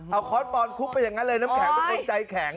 เอาครอสบอนท์ทุบไปยังไงเลยน้ำแข็งเกินใจแข็ง